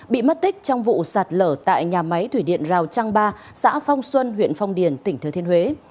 bị mất tích trong vụ sạt lở tại nhà máy thủy điện rào trăng ba xã phong xuân huyện phong điền tỉnh thừa thiên huế